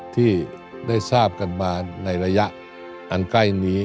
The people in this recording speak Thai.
ที่ได้ทราบกันมาในระยะอันใกล้นี้